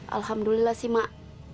alhamdulillah sih mak